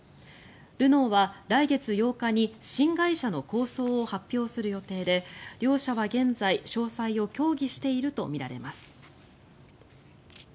ルノーは来月８日に新会社の構想を発表する予定で両社は現在詳細を協議しているとみられています。